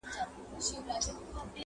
اوس به څنګه نكلچي غاړه تازه كي.!